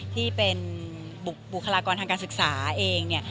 ที่เป็นบุคลากรทางการศึกษาเองเนี่ย